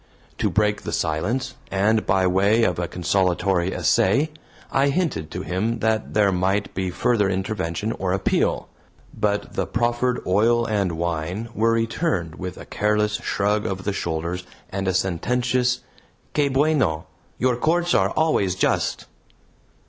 To break the silence, and by way of a consolatory essay, I hinted to him that there might be further intervention or appeal, but the proffered oil and wine were returned with a careless shrug of the shoulders and a sententious "QUE BUENO? Your courts are always just."